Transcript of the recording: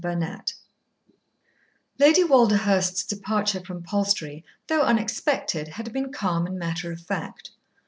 Chapter Twenty Lady Walderhurst's departure from Palstrey, though unexpected, had been calm and matter of fact.